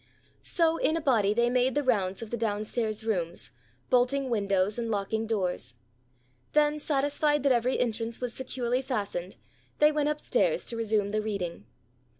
So in a body they made the rounds of the down stairs rooms, bolting windows and locking doors. Then satisfied that every entrance was securely fastened, they went up stairs to resume the reading.